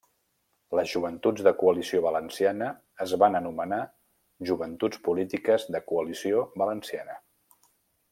Les joventuts de Coalició Valenciana es van anomenar Joventuts Polítiques de Coalició Valenciana.